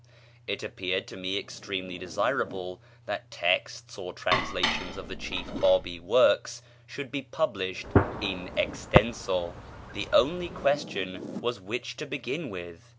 It appeared to me extremely desirable that texts or translations of the chief Bábí works should be published in extenso; the only question was which to begin with.